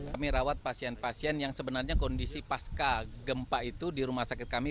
kami rawat pasien pasien yang sebenarnya kondisi pasca gempa itu di rumah sakit kami